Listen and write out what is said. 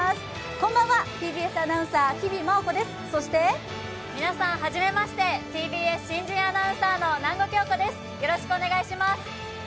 こんばんは、ＴＢＳアナウンサー日比麻音子です、そして皆さん初めまして、ＴＢＳ新人アナウンサーの南後杏子です、よろしくお願いします。